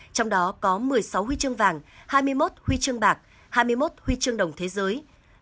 trong đó có một mươi sáu huy chương vàng hai mươi một huy chương bạc hai mươi một huy chương đồng thế giới